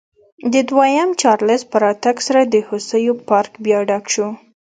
د دویم چارلېز په راتګ سره د هوسیو پارک بیا ډک شو.